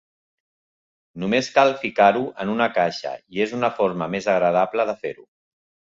Només cal ficar-ho en una caixa i és una forma més agradable de fer-ho.